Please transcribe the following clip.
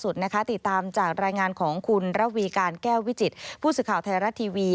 ติดตามจากรายงานของคุณระวีการแก้ววิจิตผู้สื่อข่าวไทยรัฐทีวี